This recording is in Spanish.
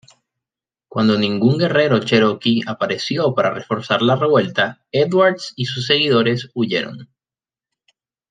Cuando ningún guerrero Cheroqui apareció para reforzar la revuelta, Edwards y sus seguidores huyeron.